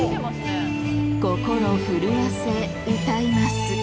心震わせ歌います。